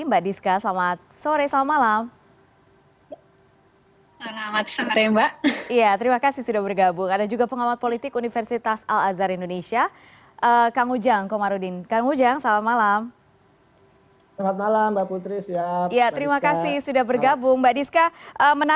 mbak diska selamat sore selamat malam